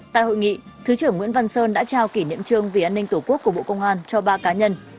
tại hội nghị thứ trưởng nguyễn văn sơn đã trao kỷ niệm trương vì an ninh tổ quốc của bộ công an cho ba cá nhân